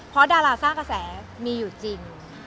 เพราะดาราสร้างกระแสมีอยู่จริง